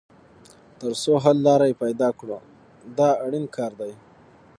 تر څو حل لاره یې پیدا کړو دا اړین کار دی.